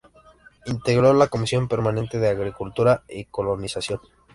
Integró la comisión permanente de Agricultura y Colonización.